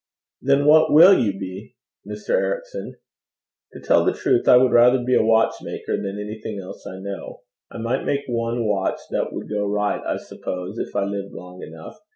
'Then what will you be, Mr. Ericson?' 'To tell the truth, I would rather be a watchmaker than anything else I know. I might make one watch that would go right, I suppose, if I lived long enough.